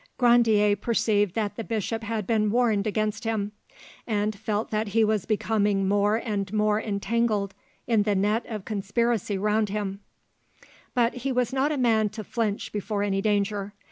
Grandier perceived that the bishop had been warned against him, and felt that he was becoming more and more entangled in the net of conspiracy around him; but he was not a man to flinch before any danger.